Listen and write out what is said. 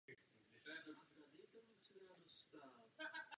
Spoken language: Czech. Všichni se snaží najít nějakou práci na léto.